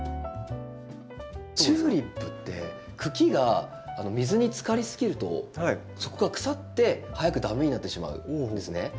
チューリップって茎が水につかりすぎるとそこが腐って早く駄目になってしまうんですね。